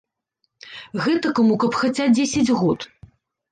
Гэтакаму каб хаця дзесяць год.